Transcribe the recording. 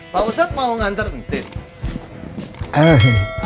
pak ustadz mau nganter entin